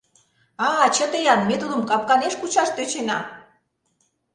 А-а, чыте-ян, ме тудым капканеш кучаш тӧчена.